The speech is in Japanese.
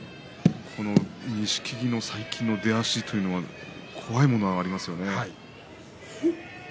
錦木の最近の出足というのは怖いものがあります。